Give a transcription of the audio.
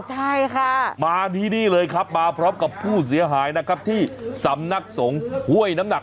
ใช่ค่ะมาที่นี่เลยครับมาพร้อมกับผู้เสียหายนะครับที่สำนักสงฆ์ห้วยน้ำหนัก